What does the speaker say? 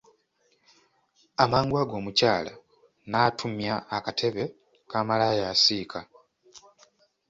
Amangu ago omukyala n'atumya akatebe ka malaaya asiika.